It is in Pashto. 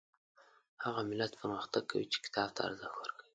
هغه ملت پرمختګ کوي چې کتاب ته ارزښت ورکوي